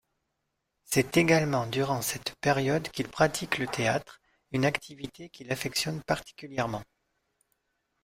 C’est également durant cette période qu’il pratique le théâtre, une activité qu’il affectionne particulièrement.